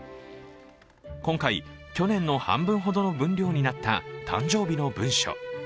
今回、去年の半分ほどの分量になった誕生日の文書。